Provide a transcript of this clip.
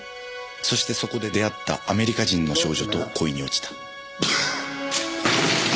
そしてそこで出会ったアメリカ人の少女と恋に落ちた。